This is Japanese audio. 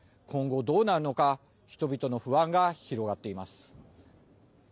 今後どうなるのか人々の不安が広がっています。